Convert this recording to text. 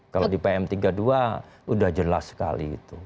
kalau di pm tiga puluh dua udah jelas sekali itu